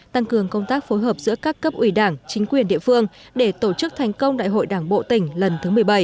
tăng cường công tác phối hợp giữa các cấp ủy đảng chính quyền địa phương để tổ chức thành công đại hội đảng bộ tỉnh lần thứ một mươi bảy